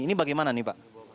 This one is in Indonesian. ini bagaimana nih pak